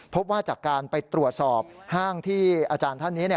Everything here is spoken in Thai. พบว่าจากการไปตรวจสอบห้างที่อาจารย์ท่านนี้